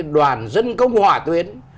đoàn dân công hỏa tuyến